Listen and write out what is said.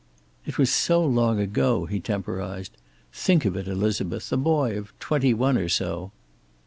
"It was so long ago," he temporized. "Think of it, Elizabeth. A boy of twenty one or so."